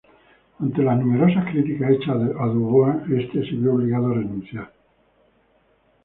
Ante las numerosas críticas hechas a Dubois, este se vio obligado a renunciar.